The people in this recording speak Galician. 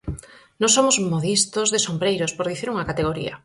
Nós somos modistos de sombreiros, por dicir unha categoría.